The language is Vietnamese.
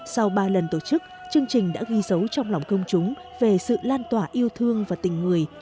sau ba lần tổ chức chương trình đã ghi dấu trong lòng công chúng về sự lan tỏa yêu thương và tình người